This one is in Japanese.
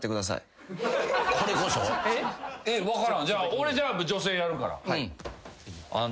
俺じゃあ女性やるから。